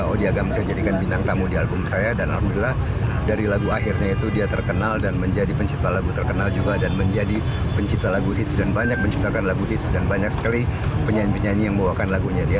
odi agam saya jadikan bintang kamu di album saya dan alhamdulillah dari lagu akhirnya itu dia terkenal dan menjadi pencipta lagu terkenal juga dan menjadi pencipta lagu hits dan banyak menciptakan lagu hits dan banyak sekali penyanyi penyanyi yang membawakan lagunya dia